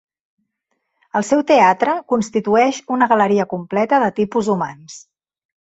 El seu teatre constitueix una galeria completa de tipus humans.